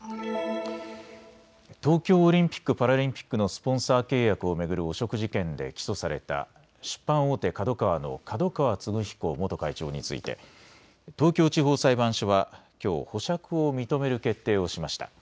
東京オリンピック・パラリンピックのスポンサー契約を巡る汚職事件で起訴された出版大手ＫＡＤＯＫＡＷＡの角川歴彦元会長について東京地方裁判所はきょう保釈を認める決定をしました。